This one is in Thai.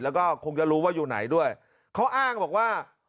แล้วก็คงจะรู้ว่าอยู่ไหนด้วยเขาอ้างบอกว่า